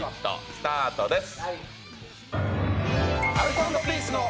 スタートです。